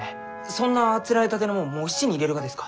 そんなあつらえたてのもんもう質に入れるがですか？